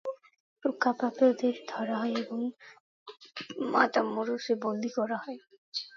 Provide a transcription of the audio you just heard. রক্ষাপ্রাপ্তদের ধরা হয় এবং মাতামোরোসে বন্দী করা হয়।